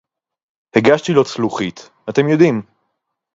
הִגַּשְׁתִּי לוֹ צְלוֹחִית, אַתֶּם יוֹדְעִים